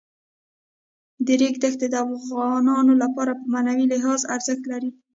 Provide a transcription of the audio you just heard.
د ریګ دښتې د افغانانو لپاره په معنوي لحاظ ارزښت لري.